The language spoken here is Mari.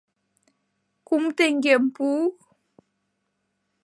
— Кум теҥгем пу!